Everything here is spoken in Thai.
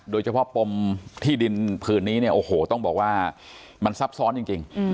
โดยเฉพาะปมที่ดินผืนนี้ต้องบอกว่ามันซับซ้อนจริง